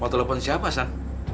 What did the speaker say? waktu telepon siapa san